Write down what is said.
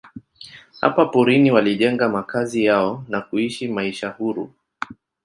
Hapa porini walijenga makazi yao na kuishi maisha huru.